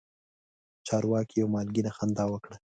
چارواکي یوه مالګینه خندا وکړه.